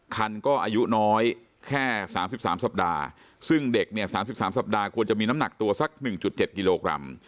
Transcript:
คันก็อายุน้อยแค่๓๓สัปดาห์ซึ่งเด็กเนี่ย๓๓สัปดาห์ควรจะมีน้ำหนักตัวสัก๑๗กิโลกรัม